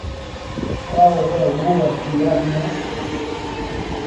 Qual é o diagnóstico?